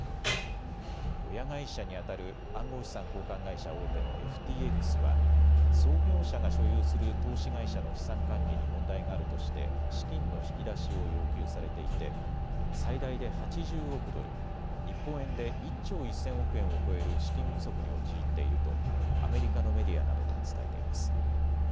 親会社にあたる暗号資産交換会社大手のＦＴＸは創業者が所有する投資会社の資産管理に問題があるとして資金の引き出しを要求されていて最大で８０億ドル、日本円で１兆１０００億円を超える資金不足に陥っているとアメリカのメディアなどが伝えています。